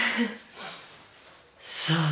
そう。